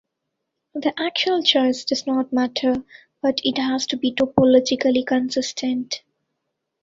The actual choice does not matter, but it has to be topologically consistent.